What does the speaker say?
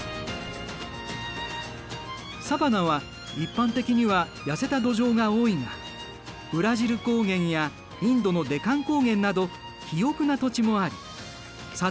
サバナは一般的にはやせた土壌が多いがブラジル高原やインドのデカン高原など肥沃な土地もありさ